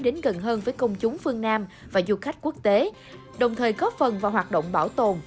đến gần hơn với công chúng phương nam và du khách quốc tế đồng thời góp phần vào hoạt động bảo tồn